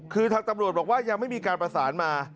คือทางตำรวจบอกว่ายังไม่มีการประสานมา